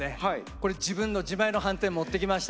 これ自分の自前のはんてん持ってきました。